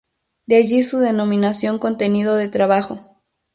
De allí su denominación "contenido de trabajo".